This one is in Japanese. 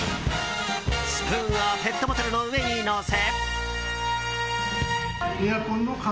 スプーンをペットボトルの上に乗せ。